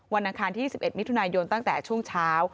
อังคารที่๑๑มิถุนายนตั้งแต่ช่วงเช้า